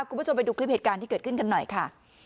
คุณผู้ชมไปดูคลิปเหตุการณ์ที่เกิดขึ้นกันหน่อยค่ะ